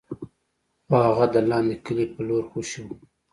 خو هغه د لاندې کلي په لور خوشې و.